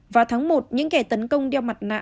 vào tháng một những kẻ tấn công đeo mặt nạ